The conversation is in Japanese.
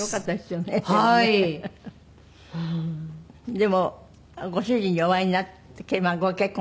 でもご主人にお会いにご結婚